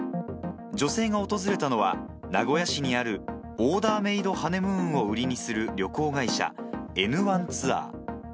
女性が訪れたのは、名古屋市にあるオーダーメードハネムーンを売りにする旅行会社、エヌワンツアー。